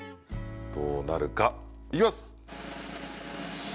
どうなるか、いきます！